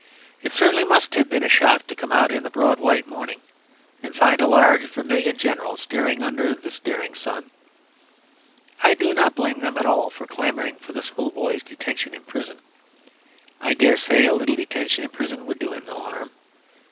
It certainly must have been a shock to come out in the broad white morning and find a large vermilion General staring under the staring sun. I do not blame them at all for clamouring for the schoolboy's detention in prison; I dare say a little detention in prison would do him no harm.